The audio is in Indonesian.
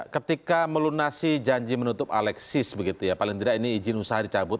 ketika melunasi janji menutup alexis begitu ya paling tidak ini izin usaha dicabut